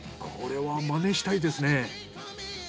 これはまねしたいですね。